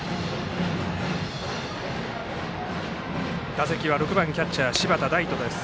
打席は６番キャッチャーの柴田大翔です。